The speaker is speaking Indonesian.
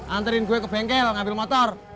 anterin gue ke bengkel ngambil motor